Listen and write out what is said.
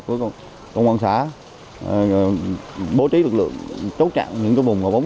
của công an xã bố trí lực lượng chốt chặn những vùng ngọc úng